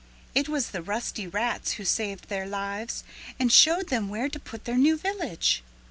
It was the rusty rats who saved their lives and showed them where to put their new village.